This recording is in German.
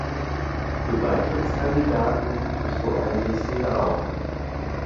Für Beitrittskandidaten gibt es so eine Liste ja auch.